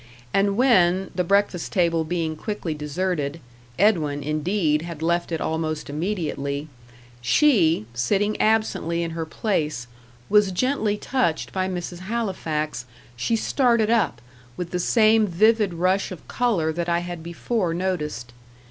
And when, the breakfast table being quickly deserted Edwin, indeed, had left it almost immediately she, sitting absently in her place, was gently touched by Mrs. Halifax, she started up, with the same vivid rush of colour that I had before noticed.